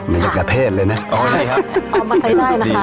มาจากกระเทศเลยนะอ๋อใช่ครับเอามาใช้ได้นะคะ